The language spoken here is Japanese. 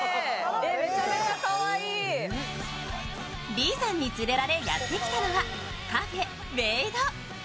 李さんに連れられやってきたのはカフェ・ウェイド。